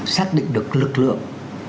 xác định được lực lượng